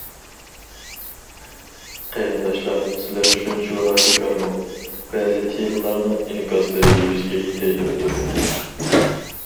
قېرىنداشلار سىلەر شۇنچىۋالا بىكارمۇ بەزى تېمىلارنىڭ ئىنكاسلىرى يۈزگە يىتەي دەپتۇ.